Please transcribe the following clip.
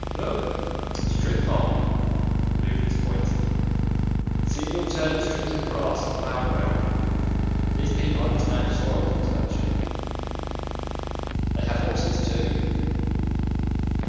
"Look, strip farming," Loudons pointed. "See the alternate strips of grass and plowed ground. These people understand soil conservation. "They have horses, too."